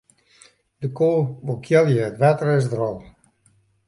De ko wol kealje, it wetter is der al.